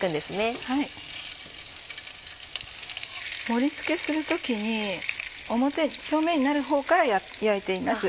盛り付けする時に表面になるほうから焼いています。